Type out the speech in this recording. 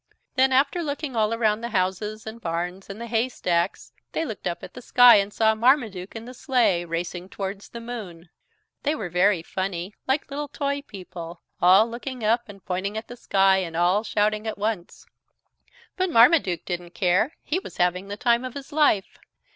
Then, after looking all around the houses and barns and the haystacks, they looked up at the sky and saw Marmaduke in the sleigh, racing towards the moon. They were very funny, like little toy people, all looking up and pointing at the sky and all shouting at once. But Marmaduke didn't care he was having the time of his life!